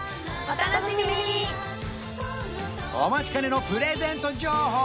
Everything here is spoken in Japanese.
お待ちかねのプレゼント情報